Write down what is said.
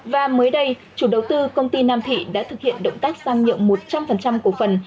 và mới đây chủ đầu tư công ty nam thị đã thực hiện động tác sang nhượng một trăm linh cổ phần